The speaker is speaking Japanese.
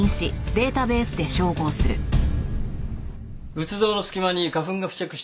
仏像の隙間に花粉が付着していました。